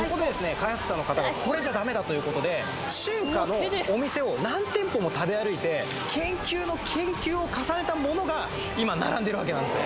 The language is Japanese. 開発者の方がこれじゃダメだということで中華のお店を何店舗も食べ歩いて研究の研究を重ねたものが今並んでるわけなんですよ